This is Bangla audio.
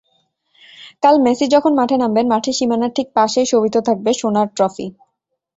কাল মেসি যখন মাঠে নামবেন, মাঠের সীমানার ঠিক পাশেই শোভিত থাকবে সোনার ট্রফি।